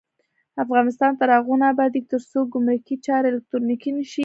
افغانستان تر هغو نه ابادیږي، ترڅو ګمرکي چارې الکترونیکي نشي.